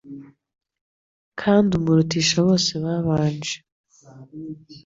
kandi umurutisha bose babanje